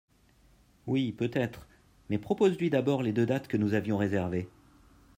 oui, peut-être mais propose lui d'abord les deux dates que nous avions réservé.